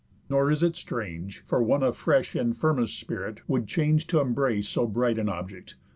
Nor is it strange, For one of fresh and firmest spirit would change T' embrace so bright an object.